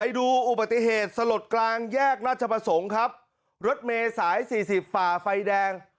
ไปดูอุบัติเหตุสลดกลางแยกหน้าจับส่งครับรถเมษายสี่สิบฝ่าไฟแดง